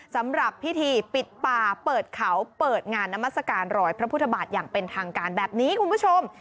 สำหรับพิธีปิดป่าเปิดเขาเปิดงานนามัศกาลรอยพระพุทธบาทอย่างเป็นทางการแบบนี้คุณผู้ชม